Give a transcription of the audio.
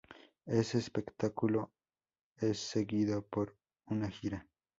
El espectáculo es seguido por una gira.